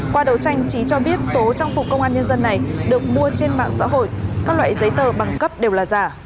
qua đầu tranh trí cho biết số trang phục công an nhân dân này được mua trên mạng xã hội các loại giấy tờ bằng cấp đều là giả